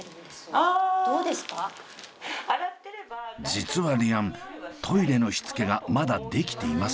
実はリアントイレのしつけがまだできていません。